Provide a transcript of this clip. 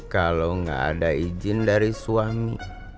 kalau nggak ada izin dari suami